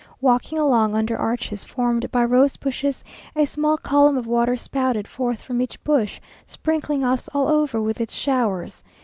Walking along under arches formed by rose bushes, a small column of water spouted forth from each bush, sprinkling us all over with its showers.